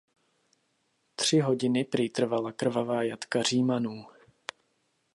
Tři hodiny prý trvala krvavá jatka Římanů.